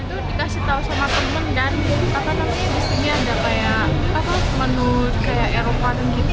itu dikasih tahu sama temen dan disini ada menu eropa